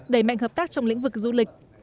đẩy mạnh hợp tác trong lĩnh vực du lịch